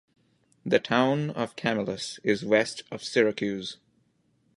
The Town of Camillus is west of Syracuse.